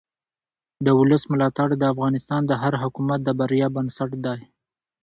د ولس ملاتړ د افغانستان د هر حکومت د بریا بنسټ دی